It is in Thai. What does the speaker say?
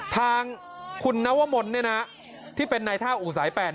ทางคุณนวมลที่เป็นนายท่าอู่สาย๘